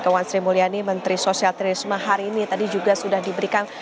kewan sri mulyani menteri sosial trisma hari ini tadi juga sudah diberikan